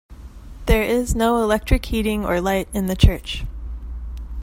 There is no electric heating or light in the church.